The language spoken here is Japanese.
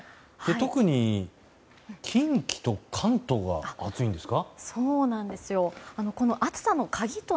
特に近畿と関東が暑いんですか？